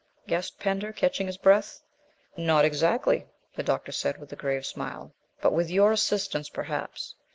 gasped Pender, catching his breath. "Not exactly," the doctor said, with a grave smile, "but with your assistance, perhaps.